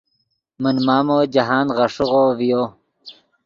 من مامو جاہند غیݰیغو ڤیو